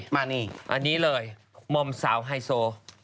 มอมสาวไฮโซ